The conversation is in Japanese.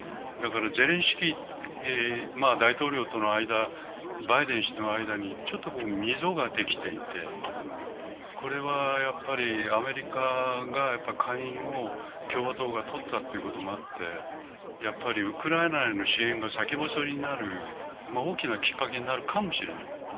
ゼレンスキー大統領との間、バイデン氏との間にちょっと溝ができていて、これはやっぱりアメリカが下院を共和党がとったということもあって、ウクライナへの支援が先細りになる大きなきっかけになるかもしれない。